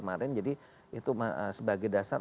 kemarin jadi itu sebagai dasar